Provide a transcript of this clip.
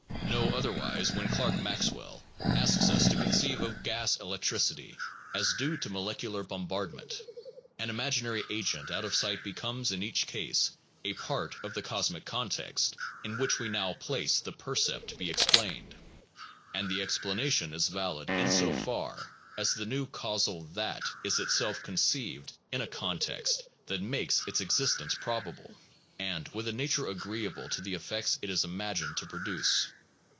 No otherwise when Clerk Maxwell asks us to conceive of gas elec tricity as due to molecular bombardment. An imaginary agent out of sight becomes in each case a part of the cosmic context in which we now place the percept to be explained ; and the explanation is valid in so far as the new causal that is itself conceived in a context that makes its existence probable, and with a nature agreeable to the effects it is imagined to pro duce.